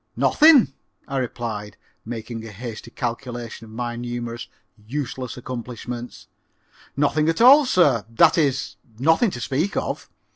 "Nothing," I replied, making a hasty calculation of my numerous useless accomplishments, "nothing at all, sir, that is, nothing to speak of.